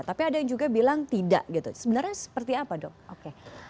tapi ada yang juga bilang tidak gitu sebenarnya seperti apa dok